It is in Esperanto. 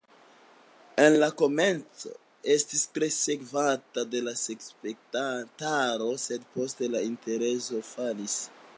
En la komenco estis tre sekvata de la spektantaro, sed poste la intereso falis.